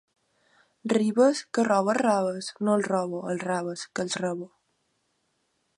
Ribes, que robes raves? —No els robo, els raves, que els rebo.